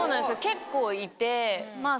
結構いて。